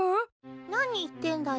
何言ってんだよ。